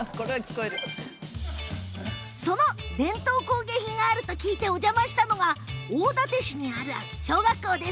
その伝統工芸品があると聞いてお邪魔したのが大館市の小学校。